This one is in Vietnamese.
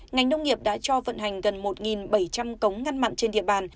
ngành nông nghiệp đã cho vận hành gần một bảy trăm linh cống ngăn mặn trên địa bàn